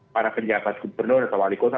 para penjabat gubernur atau wali kota